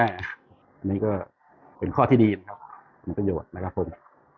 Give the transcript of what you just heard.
อันนี้ก็เป็นข้อที่ดีนะครับผลประโยชน์นะครับผม